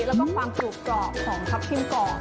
แล้วก็ความผิวกรอบของครับชิมกรอบ